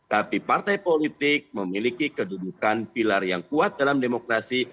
tapi partai politik memiliki kedudukan pilar yang kuat dalam demokrasi